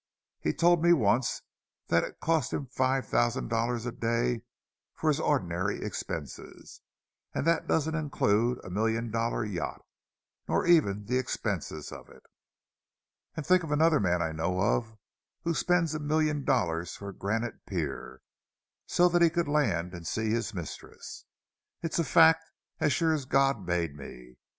"He told me once that it cost him five thousand dollars a day for his ordinary expenses. And that doesn't include a million dollar yacht, nor even the expenses of it. "And think of another man I know of who spent a million dollars for a granite pier, so that he could land and see his mistress!—It's a fact, as sure as God made me!